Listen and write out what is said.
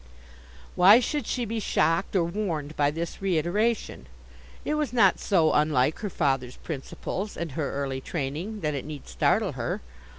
Why should she be shocked or warned by this reiteration? It was not so unlike her father's principles, and her early training, that it need startle her.